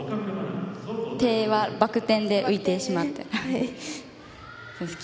手は、バク転で浮いてしまったと。